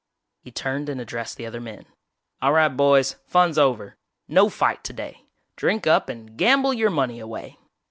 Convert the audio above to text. He turned and addressed the other men. "All right, boys, fun's over! No fight today! Drink up and gamble your money away.